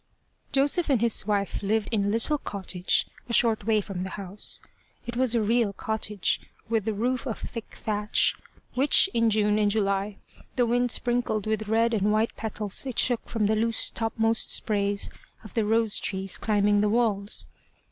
Joseph and his wife lived in a little cottage a short way from the house. It was a real cottage, with a roof of thick thatch, which, in June and July, the wind sprinkled with the red and white petals it shook from the loose topmost sprays of the rose trees climbing the walls.